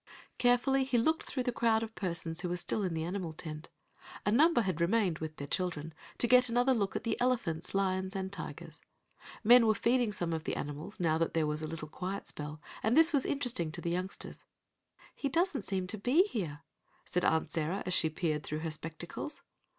Carefully he looked through the crowd of persons who were still in the animal tent. A number had remained, with their children, to get another look at the elephants, lions and tigers. Men were feeding some of the animals, now that there was a little quiet spell, and this was interesting to the youngsters. "He doesn't seem to be here," said Aunt Sarah, as she peered through her spectacles.